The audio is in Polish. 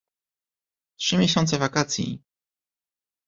"Trzy miesiące wakacji!"